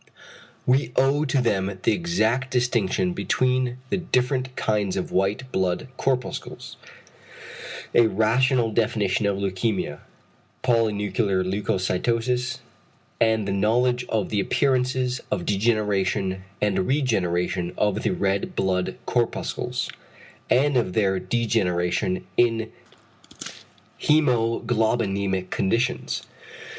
We owe to them the exact distinction between the several kinds of white blood corpuscles, a rational definition of leukæmia, polynuclear leucocytosis, and the knowledge of the appearances of degeneration and regeneration of the red blood corpuscles, and of their degeneration in hæmoglobinæmic conditions.